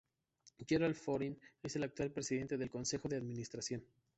Gerhard Florin es el actual presidente del Consejo de Administración.